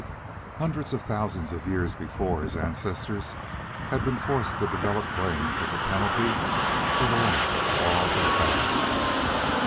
Hundreds of thousands of years before, his ancestors had been forced to develop brains as penalty for the lack of claws or fangs.